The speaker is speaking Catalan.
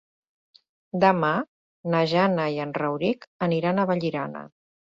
Demà na Jana i en Rauric aniran a Vallirana.